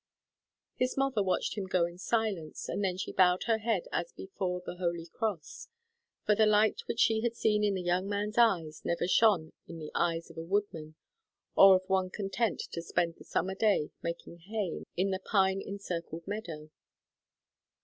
His mother watched him go in silence, and then she bowed her head as before the Holy Cross; for the light which she had seen in the young man's eyes never shone in the eyes of a woodman or of one content to spend the summer day making hay in the pine encircled meadow.